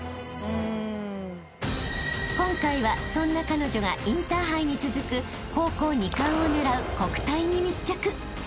［今回はそんな彼女がインターハイに続く高校２冠を狙う国体に密着］